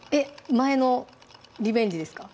前のリベンジですか？